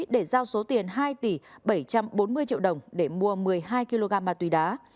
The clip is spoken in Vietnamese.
để giao số tiền hai tỷ bảy trăm bốn mươi triệu đồng để mua một mươi hai kg ma túy đá